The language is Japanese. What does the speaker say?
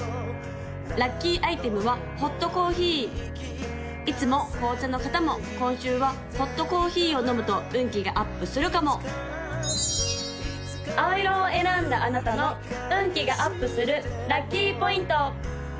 ・ラッキーアイテムはホットコーヒーいつも紅茶の方も今週はホットコーヒーを飲むと運気がアップするかも青色を選んだあなたの運気がアップするラッキーポイント！